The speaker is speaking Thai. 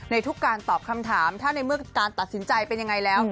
ทุกการตอบคำถามถ้าในเมื่อการตัดสินใจเป็นยังไงแล้ว